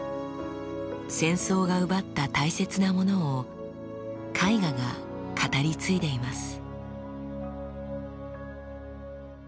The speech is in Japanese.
戦争が奪った大切なものを絵画が語り継いでいます。